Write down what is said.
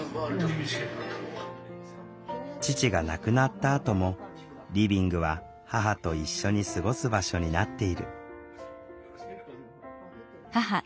父が亡くなったあともリビングは母と一緒に過ごす場所になっている。